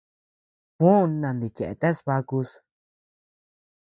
Juó nandicheateas bakus.